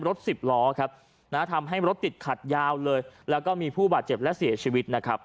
รถ๑๐ล้อทำให้รถติดขัดยาวเลยแล้วก็มีผู้บาดเจ็บและเสียชีวิต